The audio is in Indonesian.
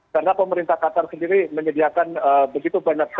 karena pemerintah qatar sendiri menyediakan begitu banyak fan zone